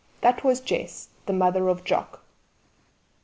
That was Jess, the mother of Jock!